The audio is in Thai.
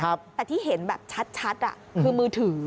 แต่ที่เห็นแบบชัดคือมือถือ